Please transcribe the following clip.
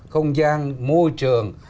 không gian môi trường